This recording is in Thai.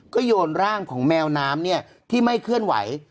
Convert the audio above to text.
ก็โยนร่างของแมวน้ำที่ไม่เคลื่อนไหว